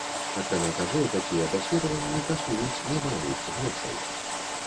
Акрамя таго, такія даследаванні каштуюць немалых грошай.